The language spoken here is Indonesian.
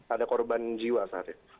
ada korban jiwa saat itu